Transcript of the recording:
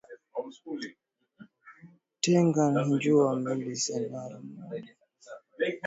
Tenga Njau Malisa Maro Maeda RingoOlomi Ngowi Lyatuu na mengine mengiKavishe Mrosso